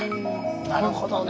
なるほどね。